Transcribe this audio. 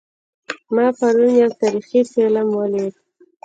ما پرون یو تاریخي فلم ولید